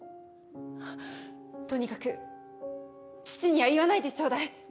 とにかく父には言わないでちょうだい。